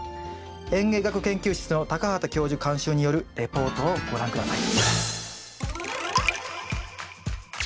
園芸学研究室の畑教授監修によるレポートをご覧下さい。